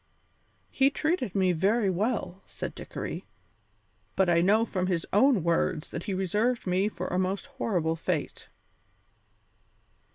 "He treated me very well," said Dickory, "but I know from his own words that he reserved me for a most horrible fate."